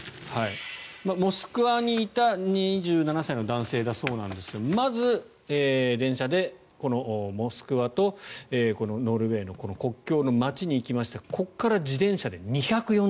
モスクワにいた２７歳の男性だそうなんですがまず、電車でモスクワとノルウェーの国境の街に行きましてここから自転車で２４０ｋｍ。